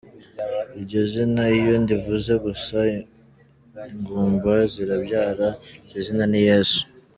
Iryo zina iyo ndivuze gusa, ingumba zirabyara, iryo zina ni Yesu.